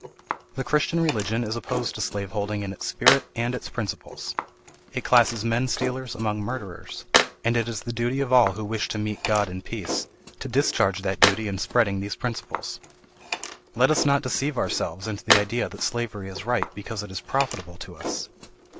The Christian religion is opposed to slaveholding in its spirit and its principles; it classes menstealers among murderers; and it is the duty of all who wish to meet God in peace, to discharge that duty in spreading these principles. Let us not deceive ourselves into the idea that slavery is right, because it is profitable to us.